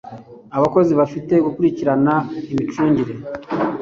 abakozi bafite gukurikirana imicungire